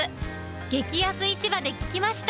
激安市場で聞きました。